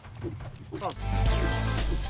Ṭṭes.